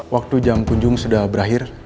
waktu jam kunjung sudah berakhir